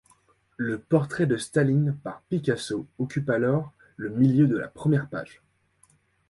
Le portrait de Staline par Picasso occupe alors le milieu de la première page.